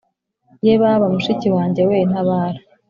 Ye baba mushiki wanjye we ntabara